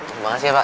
terima kasih ya pak